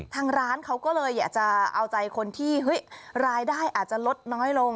ทางร้านเค้าก็เลยจะเอาใจคนที่รายได้อาจจะลดน้อยลง